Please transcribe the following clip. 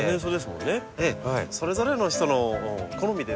それぞれの人の好みでですね